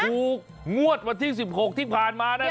ถูกงวดวันที่๑๖ที่ผ่านมานะครับ